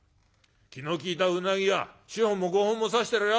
気の利いたうなぎは４本も５本も刺してるよ。